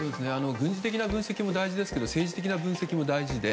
軍事的な分析も大事ですが政治的な分析も大事で。